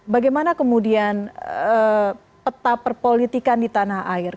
bagaimana kemudian peta perpolitikan di tanah air